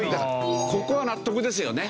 ここは納得ですよね。